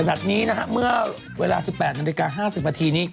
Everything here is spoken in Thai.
ขณะนี้นะฮะเมื่อเวลา๑๘นาฬิกา๕๐นาทีนี้